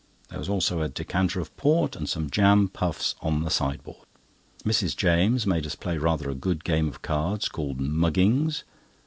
There was also a decanter of port and some jam puffs on the sideboard. Mrs. James made us play rather a good game of cards, called "Muggings."